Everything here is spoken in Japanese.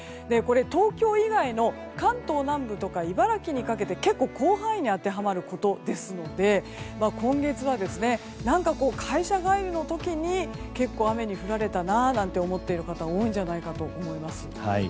東京以外の関東南部とか茨城にかけて結構、広範囲に当てはまることですので今月は会社帰りの時に結構雨に降られたなと思っている方多いんじゃないかと思います。